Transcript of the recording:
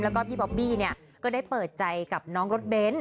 แล้วก็พี่ป๊อปปี้ก็ได้เปิดใจกับน้องรถเบน